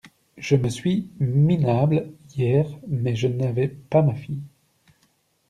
Je me suis minable hier mais je n'avais pas ma fille.